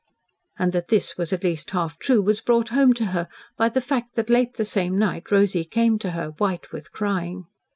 And that this was at least half true was brought home to her by the fact that late the same night Rosy came to her white with crying.